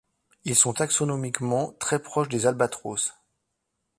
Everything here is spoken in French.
Ils sont taxonomiquement très proches des albatros.